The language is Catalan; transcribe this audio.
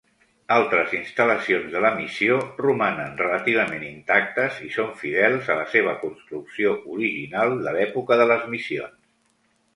Altres instal·lacions de la missió romanen relativament intactes i són fidels a la seva construcció original, de l'època de les missions.